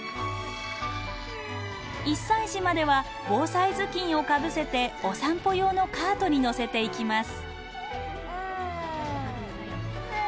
１歳児までは防災頭巾をかぶせてお散歩用のカートに乗せていきます。